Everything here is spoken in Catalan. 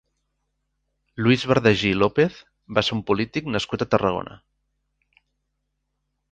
Luis Bardají López va ser un polític nascut a Tarragona.